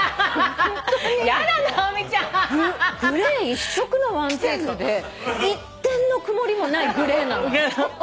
グレー一色のワンピースで一点の曇りもないグレーなの。